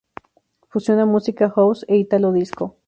Fusiona música house e Italo disco.